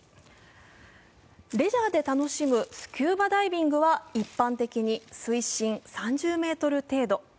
レジャーで楽しむスキューバダイビングは一般的に水深３０ｍ程度。